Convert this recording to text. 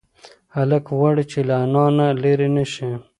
هلک غواړي چې له انا نه لرې نشي.